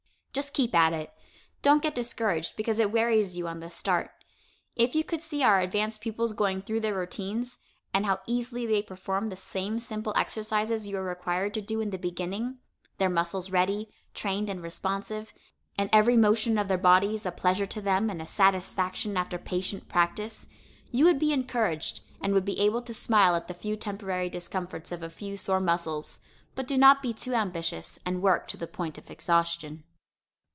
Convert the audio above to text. Just keep at it. Don't get discouraged because it wearies you on the start. If you could see our advanced pupils going through their routines, and how easily they perform the same simple exercises you are required to do in the beginning, their muscles ready, trained and responsive, and every motion of their bodies a pleasure to them and a satisfaction after patient practice, you would be encouraged and would be able to smile at the few temporary discomforts of a few sore muscles. But do not be too ambitious and work to the point of exhaustion.